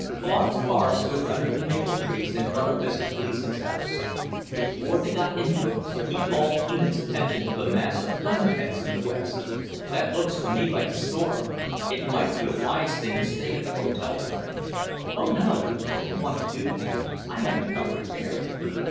Claude's car stood under the maple trees in front of Mrs. Gleason's house. Before they got into it, he called Enid's attention to a mass of thunderheads in the west. "That looks to me like a storm. It might be a wise thing to stay at the hotel tonight." "Oh, no! I don't want to do that. I haven't come prepared."